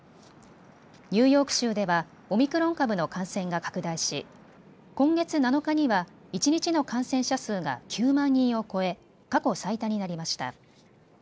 ニューヨーク州ではオミクロン株の感染が拡大し今月７日には一日の感染者数が９万人を超え過去最多になりました。